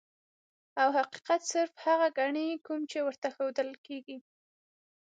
او حقيقت صرف هغه ګڼي کوم چې ورته ښودلے کيږي -